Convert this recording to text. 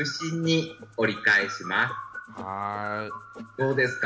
どうですか。